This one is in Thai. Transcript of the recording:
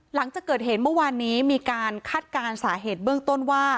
หลังจากเกิดเหตุเมื่อวานนี้มีการคาดการณ์สาเหตุเบื้องต้นว่า